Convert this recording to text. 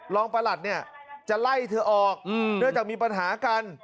ประหลัดเนี่ยจะไล่เธอออกเนื่องจากมีปัญหากัน